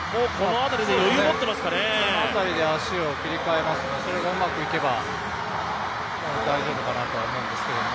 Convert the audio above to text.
足を切り替えますがそれがうまくいけば大丈夫かなと思うんですけれども。